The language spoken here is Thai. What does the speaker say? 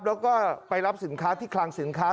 แล้วก็ไปรับสินค้าที่คลังสินค้า